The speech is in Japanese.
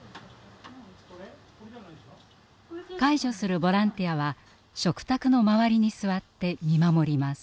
介助するボランティアは食卓の周りに座って見守ります。